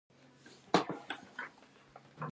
تاشکند ته ولاړ شم.